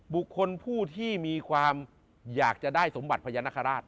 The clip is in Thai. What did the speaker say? บุคคลผู้ที่มีความอยากจะได้สมบัติพญานาคาราช